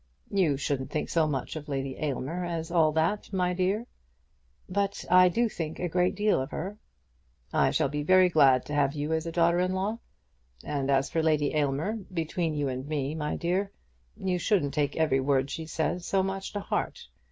"You shouldn't think so much of Lady Aylmer as all that, my dear." "But I do think a great deal of her." "I shall be very glad to have you as a daughter in law. And as for Lady Aylmer between you and me, my dear, you shouldn't take every word she says so much to heart.